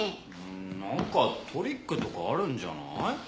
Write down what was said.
うんなんかトリックとかあるんじゃない？